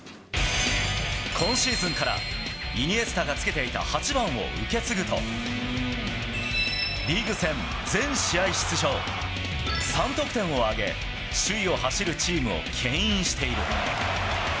今シーズンからイニエスタがつけていた８番を受け継ぐと、リーグ戦全試合出場、３得点を挙げ、首位を走るチームをけん引している。